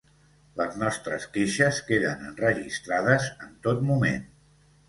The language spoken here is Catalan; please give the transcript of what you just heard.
Les nostres queixes queden enregistrades en tot moment.